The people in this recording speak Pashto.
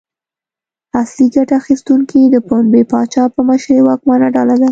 اصلي ګټه اخیستونکي د پنبې پاچا په مشرۍ واکمنه ډله ده.